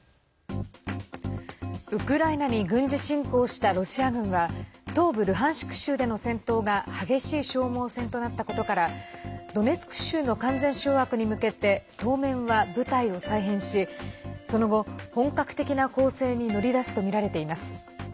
ウクライナに軍事侵攻したロシア軍は東部ルハンシク州での戦闘が激しい消耗戦となったことからドネツク州の完全掌握に向けて当面は部隊を再編しその後、本格的な攻勢に乗り出すとみられています。